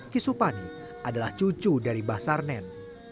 kisupani adalah cucu dari mbah sarnen